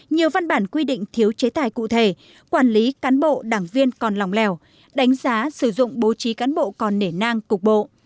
nhiều văn bản quy định thiếu chế tài cụ thể quản lý cán bộ đảng viên còn lòng lèo đánh giá sử dụng bố trí cán bộ còn nể nang cục bộ